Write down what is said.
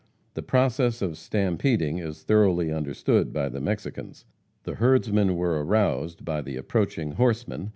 The process of "stampeding" is thoroughly understood by the Mexicans. The herdsmen were aroused by the approaching horsemen.